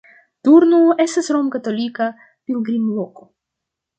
Turnu estas romkatolika pilgrimloko.